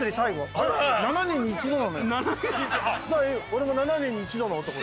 俺も７年に一度の男。